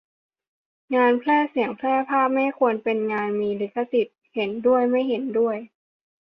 งานแพร่เสียงแพร่ภาพไม่ควรเป็นงานมีลิขสิทธิ์ ? เห็นด้วย ไม่เห็นด้วย